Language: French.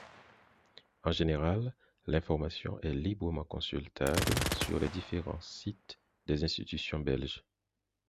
En général, l'information est librement consultable sur les différents sites des institutions belges.